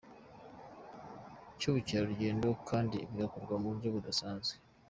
cy’ubukerarugendo, kandi bigakorwa mu buryo budasanzwe.